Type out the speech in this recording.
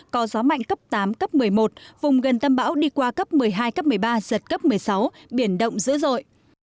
có gió mạnh cấp tám cấp một mươi một vùng gần tâm bão đi qua cấp một mươi hai cấp một mươi ba giật cấp một mươi sáu biển động dữ dội